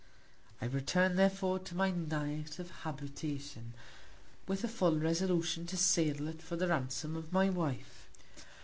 I return'd therefore to my Native Habitation, with a full Resolution to sell it for the Ransom of my Wife.